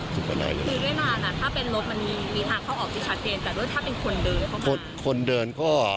คือด้วยนานถ้าเป็นรถมันมีทางเข้าออกจริงแต่ถ้าเป็นคนเดินเข้ามา